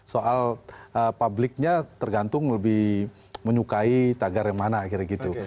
soal publiknya tergantung lebih menyukai tagar yang mana kira kira gitu